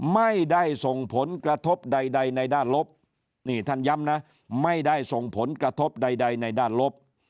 ไม่ได้ส่งผลกระทบใดในด้านลบนี่ท่านย้ำนะไม่ได้ส่งผลกระทบใดในด้านลบ